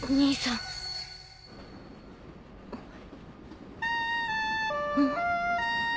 んっ？